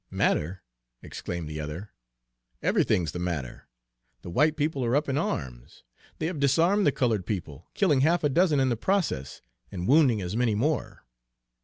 "Matter!" exclaimed the other. "Everything's the matter! The white people are up in arms. They have disarmed the colored people, killing half a dozen in the process, and wounding as many more.